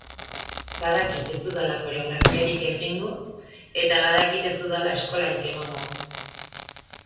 Badakit ez dudala koreografiarik egingo eta badakit ez dudala eskolarik emango.